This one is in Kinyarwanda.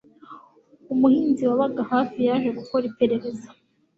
Umuhinzi wabaga hafi yaje gukora iperereza